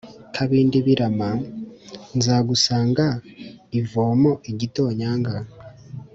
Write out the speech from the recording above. Kabindibirima nzagusanga ivomo-Igitonyanga.